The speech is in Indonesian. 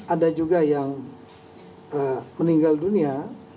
ada juga yang meninggal dunia